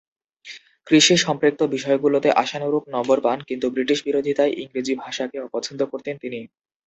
কৃষি সম্পৃক্ত বিষয়গুলোতে আশানুরূপ নম্বর পান কিন্তু ব্রিটিশ বিরোধীতায় ইংরেজি ভাষাকে অপছন্দ করতেন তিনি।